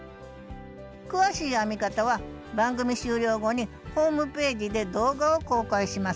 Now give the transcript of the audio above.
詳しい編み方は番組終了後にホームページで動画を公開します。